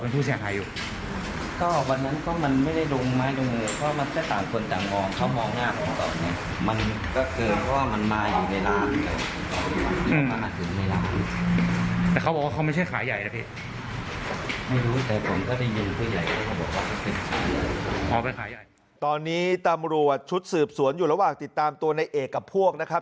ตอนนี้ตำรวจชุดสืบสวนอยู่ระหว่างติดตามตัวในเอกกับพวกนะครับ